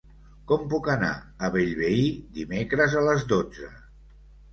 Com puc anar a Bellvei dimecres a les dotze?